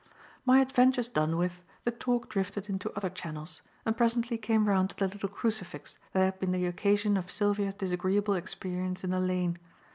My adventures done with, the talk drifted into other channels and presently came round to the little crucifix that had been the occasion of Sylvia's disagreeable experience in the lane.